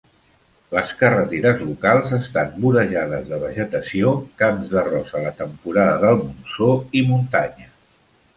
Les carreteres locals estan vorejades de vegetació, camps d"arròs a la temporada del monsó, i muntanyes.